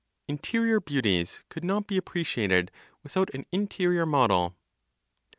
INTERIOR BEAUTIES COULD NOT BE APPRECIATED WITHOUT AN INTERIOR MODEL.